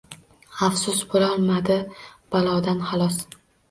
Afsus, bo’lolmadi balodan xalos.